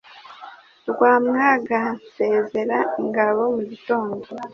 Rwamwaga nsezera ingabo mugitondo